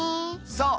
そう。